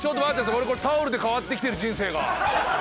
俺これタオルで変わってきてる人生が。